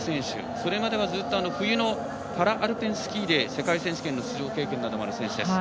それまではずっと冬のパラアルペンスキーで世界選手権の出場経験などもある選手です。